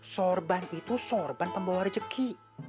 sorban itu sorban pemberi rezeki